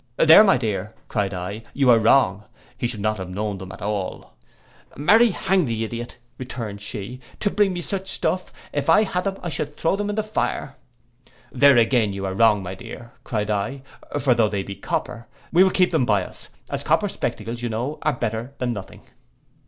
'—'There, my dear,' cried I, 'you are wrong, he should not have known them at all.'—'Marry, hang the ideot,' returned she, 'to bring me such stuff, if I had them, I would throw them in the fire.' 'There again you are wrong, my dear,' cried I; 'for though they be copper, we will keep them by us, as copper spectacles, you know, are better than nothing.